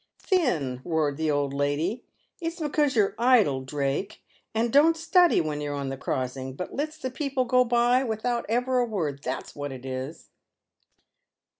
" xhin," roared the old lady, " it's because you're idle, Drake, and don't study when you're on the crossing, but lits the people go by without ever a word. That's what it is